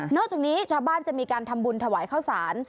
จากนี้ชาวบ้านจะมีการทำบุญถวายข้าวสาร